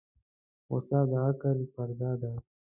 غوسه د عقل پرده ده.